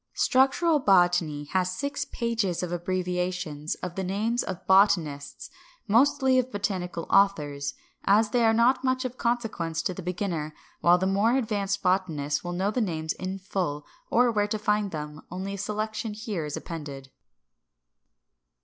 584. "Structural Botany" has six pages of abbreviations of the names of botanists, mostly of botanical authors. As they are not of much consequence to the beginner, while the more advanced botanist will know the names in full, or know where to find them, only a selection is here appended.